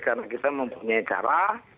karena kita mempunyai cara